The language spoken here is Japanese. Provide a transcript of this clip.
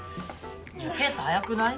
ペース速くない？